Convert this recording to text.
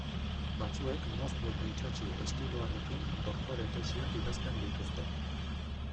Batzuek moztu eta itsatsi estiloarekin doktore tesiak idazten dituzte.